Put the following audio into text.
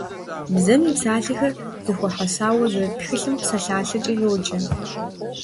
Бзэм и псалъэхэр зэхуэхьэсауэ зэрыт тхылъым псалъалъэкӏэ йоджэ.